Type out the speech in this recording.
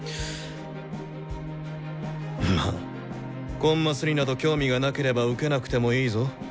まあコンマスになど興味がなければ受けなくてもいいぞ。